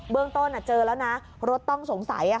เรื่องต้นเจอแล้วนะรถต้องสงสัย